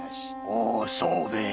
おお宗兵衛。